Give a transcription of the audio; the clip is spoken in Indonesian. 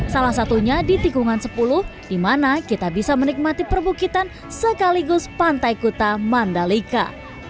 salah satunya di tikungan sepuluh di mana kita bisa menikmati perbukitan sekaligus pantai kuta mandalika